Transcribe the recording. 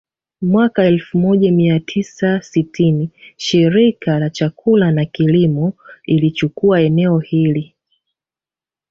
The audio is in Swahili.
Mwaka elfu moja mia tisa sitini Shirika la Chakula na Kilimo ilichukua eneo hili